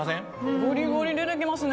ゴリゴリ出てきますね